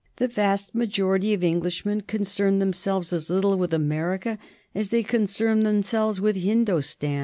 The vast majority of Englishmen concerned themselves as little with America as they concerned themselves with Hindostan.